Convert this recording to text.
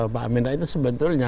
pak amin rais itu sebetulnya